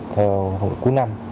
theo thông tin cuối năm